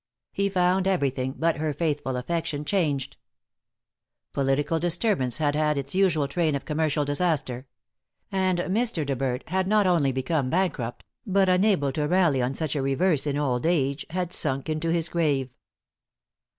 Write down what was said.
He found everything, but her faithful affection, changed. Political disturbance had had its usual train of commercial disaster; and Mr. De Berdt had not only become bankrupt, but unable to rally on such a reverse in old age, had sunk into his grave.